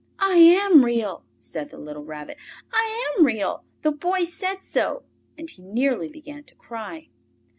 "I am Real!" said the little Rabbit. "I am Real! The Boy said so!" And he nearly began to cry.